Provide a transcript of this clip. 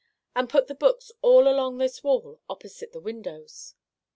— and put the books all along this wall opposite the win dows